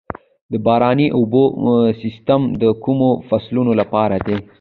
د باراني اوبو سیستم د کومو فصلونو لپاره دی؟